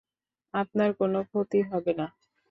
আপনার কোন ক্ষতি হবে না।